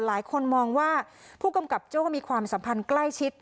หลายคนมองว่าผู้กำกับโจ้มีความสัมพันธ์ใกล้ชิด